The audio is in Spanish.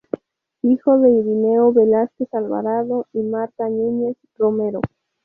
Hijo de Irineo Velázquez Alvarado y Marta Núñez Romero.